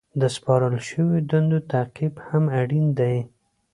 د سپارل شوو دندو تعقیب هم اړین دی.